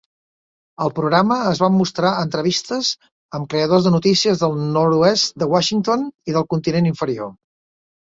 Al programa es van mostrar entrevistes amb creadors de notícies del nord-oest de Washington i del continent inferior.